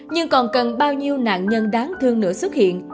nhưng còn cần bao nhiêu nạn nhân đáng thương nữa xuất hiện